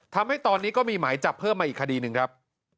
ทำให้ตอนนี้ก็มีหมายจับเพิ่มมาอีกคดีหนึ่งครับ